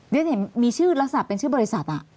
ฉันเห็นมีชื่อลักษณะเป็นชื่อบริษัท